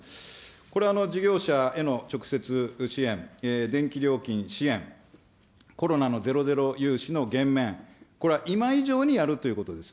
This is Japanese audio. これ、事業者への直接支援、電気料金支援、コロナのゼロゼロ融資の減免、これは今以上にやるということです。